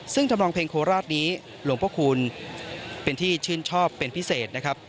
ซึ่งทำลองเพลงโคราชนี้หลวงพระคุณเป็นที่ชื่นชอบเป็นพิเศษนะครับ